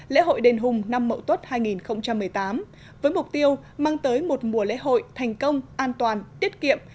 lễ hội đền hùng năm mậu tuất hai nghìn một mươi tám với mục tiêu mang tới một mùa lễ hội thành công an toàn tiết kiệm